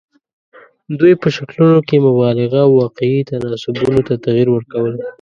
دوی په شکلونو کې مبالغه او واقعي تناسبونو ته تغیر ورکول.